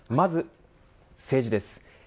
まず政治です。